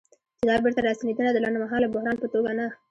چې دا بیرته راستنېدنه د لنډمهاله بحران په توګه نه